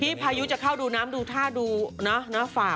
นี่พายุจะเข้าดูน้ำดูท่าดูนะฝ่า